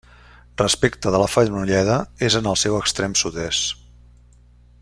Respecte de la Fenolleda, és en el seu extrem sud-est.